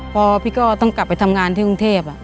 พอพี่ก็ต้องกลับไปทำงานที่กรุงเทพ